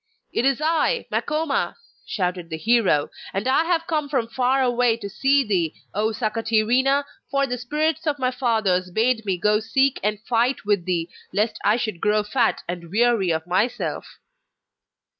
'It is I, Makoma!' shouted the hero. 'And I have come from far away to see thee, O Sakatirina, for the spirits of my fathers bade me go seek and fight with thee, lest I should grow fat, and weary of myself.